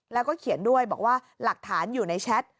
แล้วก็เขียนด้วยบอกว่าหลักฐานอยู่ในแชท